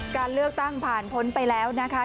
การเลือกตั้งผ่านพ้นไปแล้วนะคะ